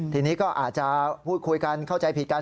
ทีนี้ก็อาจจะพูดคุยกันเข้าใจผิดกัน